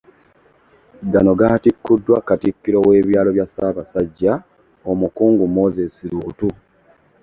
Gano gaatikkuddwa katikkiro w'ebyalo bya ssaabasajja, omukungu Moses Luutu